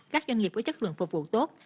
các doanh nghiệp có chất lượng phục vụ tốt